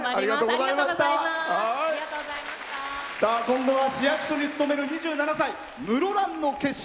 今度は市役所に勤める２７歳。